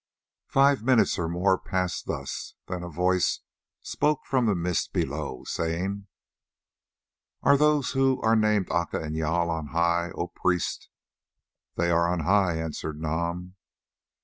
Five minutes or more passed thus; then a voice spoke from the mist below, saying: "Are those who are named Aca and Jâl on high, O priest?" "They are on high," answered Nam.